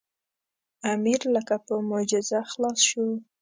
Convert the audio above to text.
امیر لکه په معجزه خلاص شو.